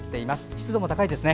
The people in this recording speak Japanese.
湿度も高いですね。